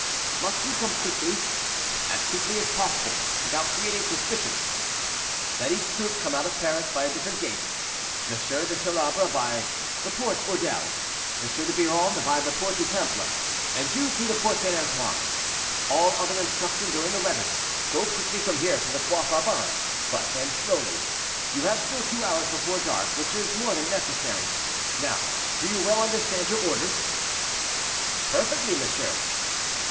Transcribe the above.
"Must we come quickly?" "As quickly as possible, without creating suspicion. Let each troop come out of Paris by a different gate; M. de Chalabre by the Porte Bourdelle; M. de Biron by the Porte du Temple, and you through the Porte St. Antoine. All other instructions are in the letters. Go quickly from here to the Croix Faubin, but then slowly; you have still two hours before dark, which is more than necessary. Now do you well understand your orders?" "Perfectly, monsieur."